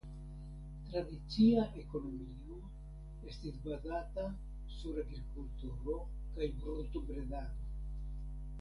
Tradicia ekonomio estis bazata sur agrikulturo kaj brutobredado.